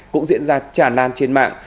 cũng diễn ra tràn lan trên mạng